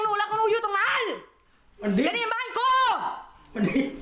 คุณปุ้ยอายุ๓๒นางความร้องไห้พูดคนเดี๋ยว